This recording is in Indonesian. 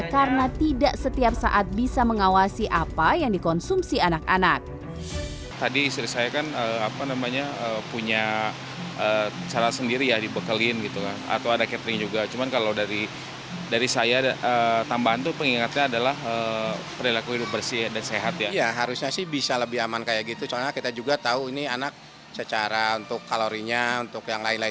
karena tidak setiap saat bisa mengawasi apa yang dikonsumsi anak anak